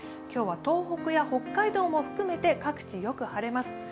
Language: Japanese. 今日は東北や北海道も含めて各地よく晴れます。